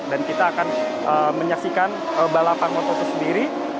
dan kita akan menyaksikan balapan moto dua sendiri